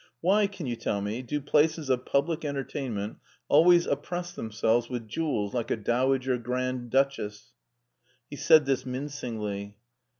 Why, can you tell me, do places of public entertainment always oppress themselves with jewels like a Dowager Grand Duchess ?" He said this mincingly.